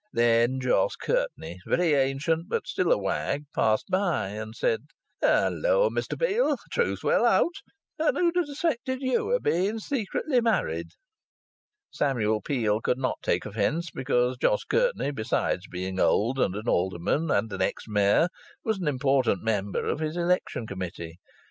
Then Jos Curtenty, very ancient but still a wag, passed by, and said: "Hello, Mr Peel. Truth will out. And yet who'd ha' suspected you o' being secretly married!" Samuel Peel could not take offence, because Jos Curtenty, besides being old and an alderman, and an ex Mayor, was an important member of his election committee.